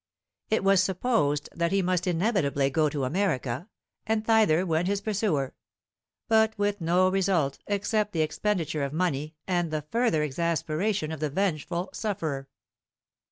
It was supposed that he must inevitably go to America, and thither went his pursuer, but with no result except the expenditure of money and the further exasperation of the vengeful sufferer.